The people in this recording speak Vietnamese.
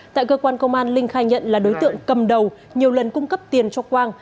tại cơ quan công an linh khai nhận là đối tượng cầm đầu nhiều lần cung cấp tiền cho quang